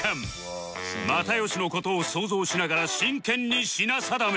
又吉の事を想像しながら真剣に品定め